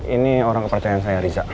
ini orang kepercayaan saya riza